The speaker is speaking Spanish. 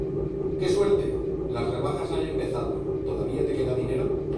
¡Qué suerte! las rebajas han empezado ¿todavía te queda dinero?